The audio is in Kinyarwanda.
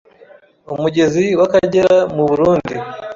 umugezi wa Kagera mu Burundi